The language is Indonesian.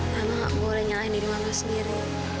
mama gak boleh nyalahin diri mama sendiri